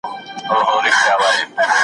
تا ویل چي غشیو ته به ټینګ لکه پولاد سمه .